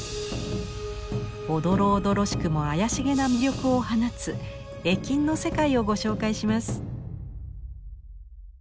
おどろおどろしくも妖しげな魅力を放つ絵金の世界をご紹介します。